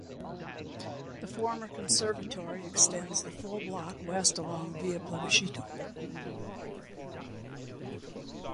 The former conservatory extends the full block west along Via Plebiscito.